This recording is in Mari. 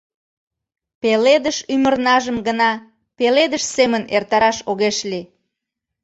Пеледыш ӱмырнажым гына пеледыш семын эртараш огеш лий.